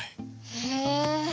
へえ。